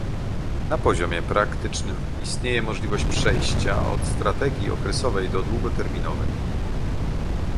Na poziomie praktycznym istnieje możliwość przejścia od strategii okresowej do długoterminowej